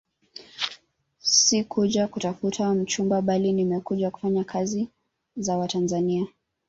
Sikuja kutafuta mchumba bali nimekuja kufanya kazi za Watanzania